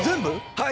はい。